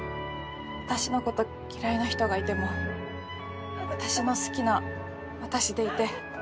私のこと嫌いな人がいても私の好きな私でいて。